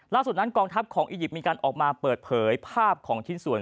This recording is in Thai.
ล่าสุดนั้นกองทัพของอียิปต์มีการออกมาเปิดเผยภาพของชิ้นส่วน